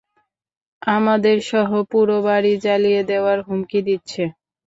আমাদের সহ পুরো বাড়ি জ্বালিয়ে দেওয়ার হুমকি দিচ্ছে।